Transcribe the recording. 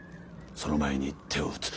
その前に手を打つ。